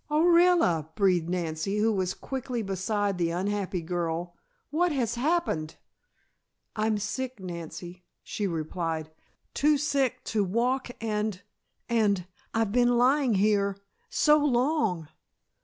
"Orilla," breathed Nancy, who was quickly beside the unhappy girl, "what has happened?" "I'm sick, Nancy," she replied, "too sick to walk and and I've been lying here so long!"